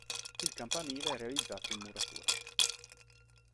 Il campanile è realizzato in muratura.